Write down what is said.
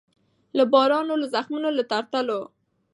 له بارونو له زخمونو له ترټلو